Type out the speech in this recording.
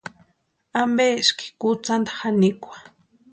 ¿Ampeeski kutsanta janikwa?